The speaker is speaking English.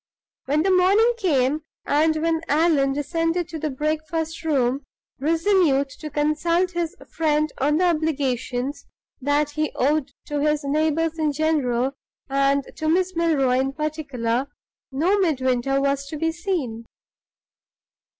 When the morning came, and when Allan descended to the breakfast room, resolute to consult his friend on the obligations that he owed to his neighbors in general, and to Miss Milroy in particular, no Midwinter was to be seen.